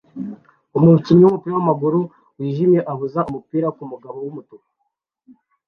Umukinnyi wumupira wamaguru wijimye abuza umupira kumugabo wumutuku